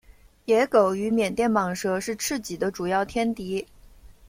野狗与缅甸蟒蛇是赤麂的主要天敌。